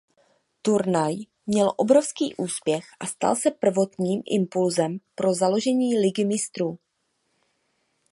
Turnaj měl obrovský úspěch a stal se prvotním impulzem pro založení Ligy mistrů.